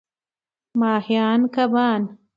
ماهیان √ کبان